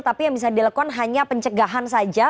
tapi yang bisa dilakukan hanya pencegahan saja